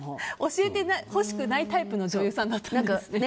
教えてほしくないタイプの女優さんだったんだね。